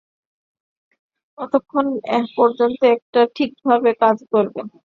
ততক্ষণ পর্যন্ত এটা ঠিকভাবে কাজ করবে।